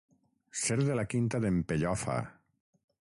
Ser de la quinta d'en Pellofa.